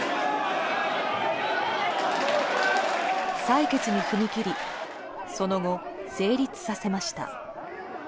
採決に踏み切りその後、成立させました。